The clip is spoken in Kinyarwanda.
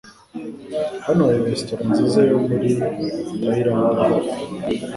Hano hari resitora nziza yo muri Tayilande hafi.